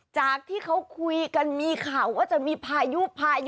จากที่เขาคุยกันมีข่าวว่าจะมีพายุพายุ